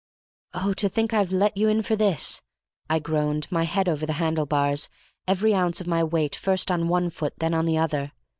"Oh, to think I've let you in for this!" I groaned, my head over the handle bars, every ounce of my weight first on one foot and then on the other.